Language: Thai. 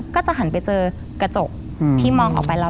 ก็จะหันไปเจอกระจกที่มองออกไปแล้ว